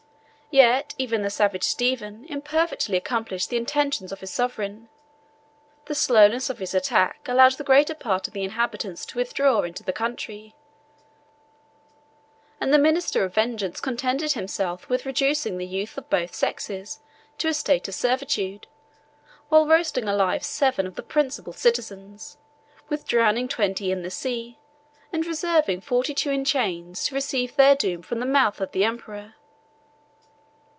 Yet even the savage Stephen imperfectly accomplished the intentions of his sovereign. The slowness of his attack allowed the greater part of the inhabitants to withdraw into the country; and the minister of vengeance contented himself with reducing the youth of both sexes to a state of servitude, with roasting alive seven of the principal citizens, with drowning twenty in the sea, and with reserving forty two in chains to receive their doom from the mouth of the emperor.